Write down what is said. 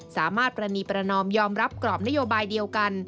ประณีประนอมยอมรับกรอบนโยบายเดียวกัน